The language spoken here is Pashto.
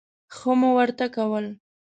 ښه مو ورته کول.